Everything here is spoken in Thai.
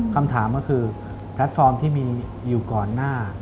คำถามก็คือแพลตฟอร์มที่มีอยู่ก่อนหน้า